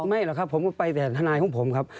ไม่หรอกครับผมก็ไปแต่ทนายของผมครับ